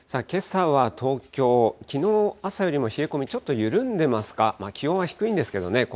けさは東京、きのう朝よりも冷え込み、ちょっと緩んでますか、まあ気温は低いんですけどね。